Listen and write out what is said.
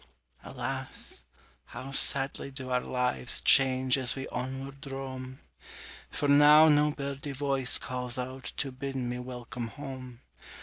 _" Alas! how sadly do our lives Change as we onward roam! For now no birdie voice calls out To bid me welcome home.